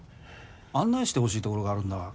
案内してほしい所があるんだ。